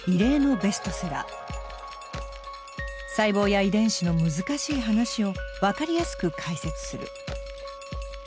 細胞や遺伝子の難しい話を分かりやすく解説する。